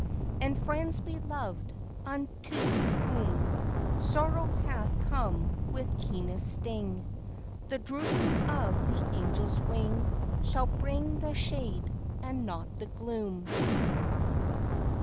And friends beloved, unto whom Sorrow hath come with keenest sting The drooping of the angel's wing Shall bring the shade and not the gloom.